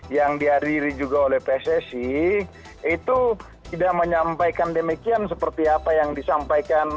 yang dihadiri juga oleh pssi itu tidak menyampaikan demikian seperti apa yang disampaikan